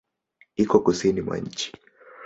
Iko kusini mwa nchi.